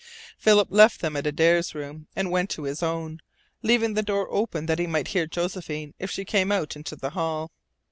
Philip left them at Adare's room and went to his own, leaving the door open that he might hear Josephine if she came out into the hall.